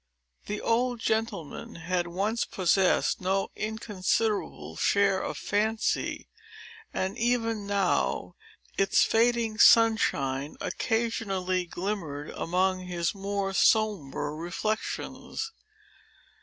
The old gentleman had once possessed no inconsiderable share of fancy; and, even now, its fading sunshine occasionally glimmered among his more sombre reflections.